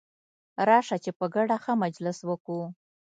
راسه چي په ګډه ښه مجلس وکو.